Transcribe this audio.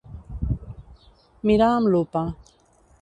Mirar amb lupa.